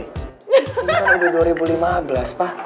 ini kan udah dua ribu lima belas pa